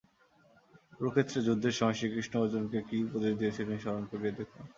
কুরুক্ষেত্রের যুদ্ধের সময় শ্রীকৃষ্ণ অর্জুনকে কী উপদেশ দিয়াছিলেন স্মরণ করিয়া দেখুন।